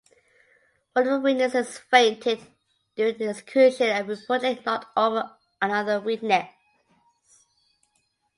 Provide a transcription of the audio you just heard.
One of the witnesses fainted during the execution and reportedly knocked over another witness.